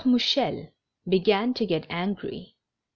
Mouchel began to get angry.